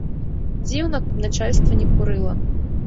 Дзіўна, каб начальства не курыла.